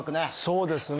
そうですね。